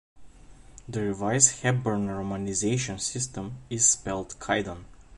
The revised Hepburn romanization system is spelled kaidan.